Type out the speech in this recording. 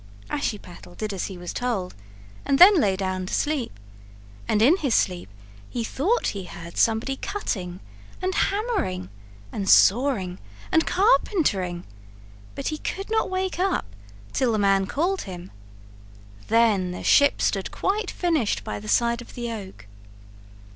Ashiepattle did as he was told and then lay down to sleep, and in his sleep lie thought he heard somebody cutting and hammering and sawing and carpentering, but he could not wake up till the man called him; then the ship stood quite finished by the side of the oak.